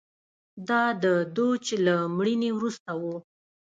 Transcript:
دا د دوج له مړینې وروسته و